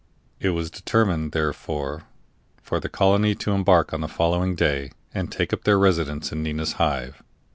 It was determined, therefore, for the colony to embark on the following day, and take up their residence in Nina's Hive.